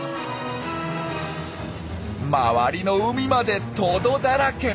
周りの海までトドだらけ。